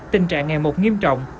tình trạng ngày một nghiêm trọng